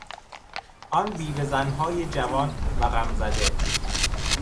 آن بیوه زنهای جوان و غم زده